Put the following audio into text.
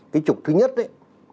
cái trục thứ nhất ấy